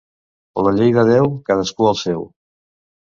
La llei de Déu: cadascú el seu.